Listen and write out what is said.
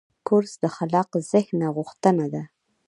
کورس د خلاق ذهن غوښتنه ده.